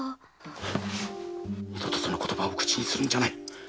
二度とその言葉を口にするんじゃない。